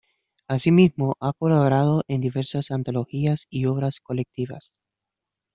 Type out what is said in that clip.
Así mismo ha colaborado en diversas antologías y obras colectivas.